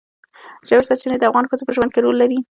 ژورې سرچینې د افغان ښځو په ژوند کې رول لري.